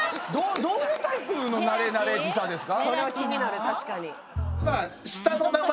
どういうタイプのなれなれしさですか？